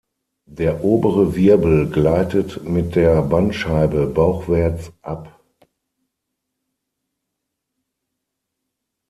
Der obere Wirbel gleitet mit der Bandscheibe bauchwärts ab.